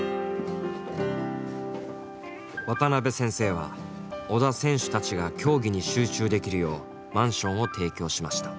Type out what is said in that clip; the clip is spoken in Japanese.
渡辺先生は織田選手たちが競技に集中できるようマンションを提供しました。